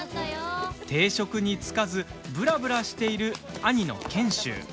定職に就かずぶらぶらしている兄の賢秀。